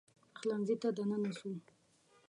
پخلنځي ته دننه سو